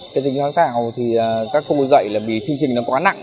cái tính sáng tạo thì các cô dạy là vì chương trình nó quá nặng